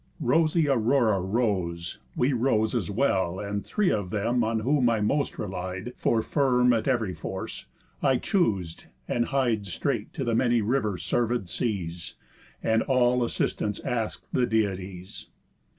Rosy Aurora rose; we rose as well, And three of them on whom I most relied, For firm at ev'ry force, I choos'd, and hied Straight to the many river servéd seas; And all assistance ask'd the Deities.